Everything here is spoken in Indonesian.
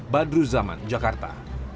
badruz zaman jakarta